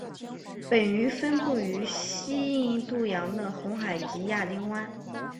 本鱼分布于西印度洋的红海及亚丁湾。